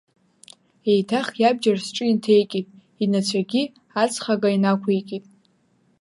Еиҭах иабџьар сҿы инҭеикит, инацәагьы аҵхага инақәикит.